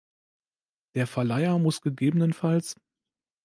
Der Verleiher muss ggf.